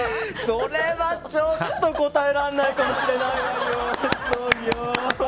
それはちょっと答えられないかもしれないわよ。